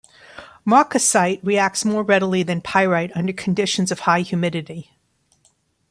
Marcasite reacts more readily than pyrite under conditions of high humidity.